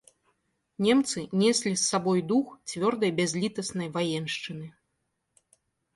Немцы неслі з сабой дух цвёрдай бязлітаснай ваеншчыны.